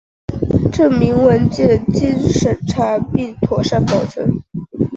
证明文件应经审查并妥善保存